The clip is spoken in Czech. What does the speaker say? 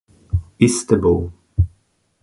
I s tebou.